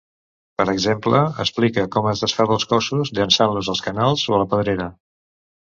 Per exemple explica com es desfà dels cossos, llançant-los als canals o a la pedrera.